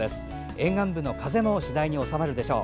沿岸部の風も次第に収まるでしょう。